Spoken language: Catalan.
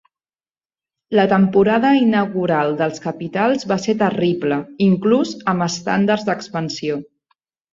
La temporada inaugural dels Capitals va ser terrible, inclús amb estàndards d'expansió.